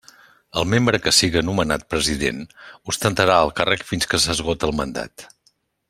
El membre que siga nomenat president ostentarà el càrrec fins que s'esgote el mandat.